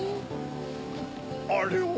あれは？